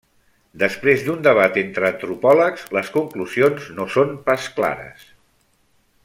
Després d'un debat entre antropòlegs, les conclusions no són pas clares.